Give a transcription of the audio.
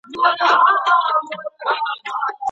کرني پوهنځۍ بې ارزوني نه تایید کیږي.